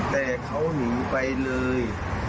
แต่เขาหนีไปเลย